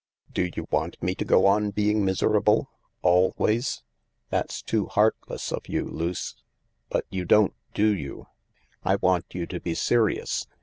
" Do you want me to go on being miserable ? Always ? That's too heartless of you, Luce. But you don't, do you ?"" I want you to be serious.